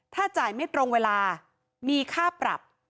ถ้าจ่ายไม่ตรงเวลามีค่าปรับ